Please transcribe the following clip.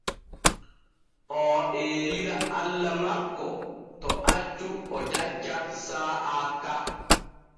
Oo eelira Allah makko to accu o jacca saa’a ka.